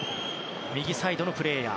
右サイドのプレーヤー。